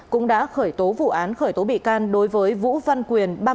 cũng đã khởi tố vụ án khởi tố bị can đối với vũ văn quyền